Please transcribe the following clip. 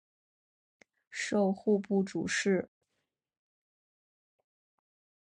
授户部主事。